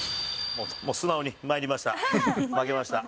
もう素直に参りました。